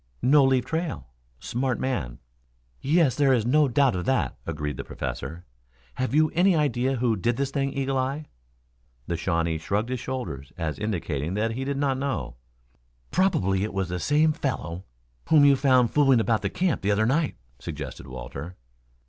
"No leave trail. Smart man." "Yes, there is no doubt of that," agreed the Professor. "Have you any idea who did this thing, Eagle eye?" The Shawnee shrugged his shoulders as indicating that he did not know. "Probably it was the same fellow whom you found fooling about the camp the other night," suggested Walter.